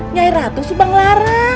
nyai ratu subang larang